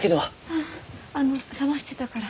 ああの冷ましてたから。